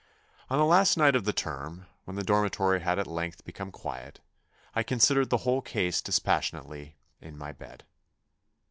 On the last night of the term, when the dormitory had at length become quiet, I considered the whole case dispassionately in my bed.